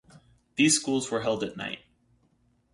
These schools were held at night.